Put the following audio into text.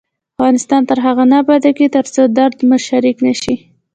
افغانستان تر هغو نه ابادیږي، ترڅو درد مو شریک نشي.